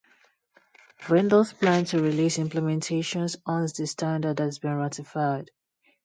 Vendors plan to release implementations once the standard has been ratified.